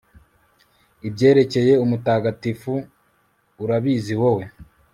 ibyerekeye umutagatifu urabizi wowe